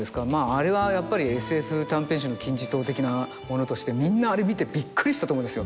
あれはやっぱりＳＦ短編集の金字塔的なものとしてみんなあれ見てびっくりしたと思うんですよ。